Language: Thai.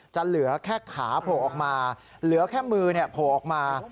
เหลือแค่ขาโผล่ออกมาเหลือแค่มือโผล่ออกมา